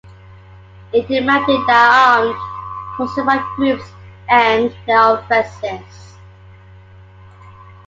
It demanded that armed Kosovan groups end their offensives.